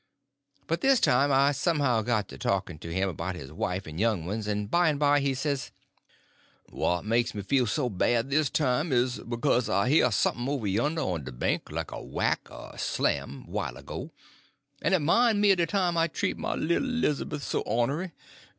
But this time I somehow got to talking to him about his wife and young ones; and by and by he says: "What makes me feel so bad dis time 'uz bekase I hear sumpn over yonder on de bank like a whack, er a slam, while ago, en it mine me er de time I treat my little 'Lizabeth so ornery.